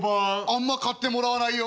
あんま買ってもらわないよ。